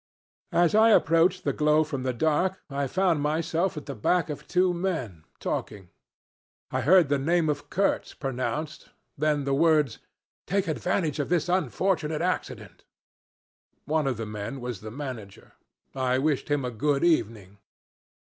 As I approached the glow from the dark I found myself at the back of two men, talking. I heard the name of Kurtz pronounced, then the words, 'take advantage of this unfortunate accident.' One of the men was the manager. I wished him a good evening.